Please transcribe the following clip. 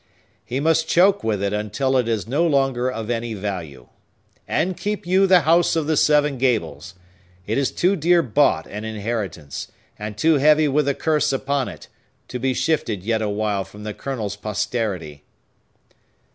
He must choke with it until it is no longer of any value. And keep you the House of the Seven Gables! It is too dear bought an inheritance, and too heavy with the curse upon it, to be shifted yet awhile from the Colonel's posterity."